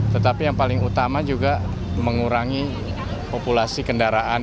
tetapi yang paling utama juga mengurangi populasi kendaraan